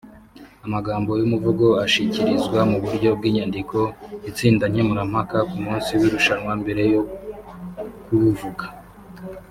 Amagambo y’umuvugo ashyikirizwa mu buryo bw’inyandiko itsindankemurampaka kumunsi w’irushanwa mbere yo kuwuvuga